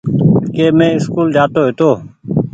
ڪي مين اسڪول جآ تو هيتو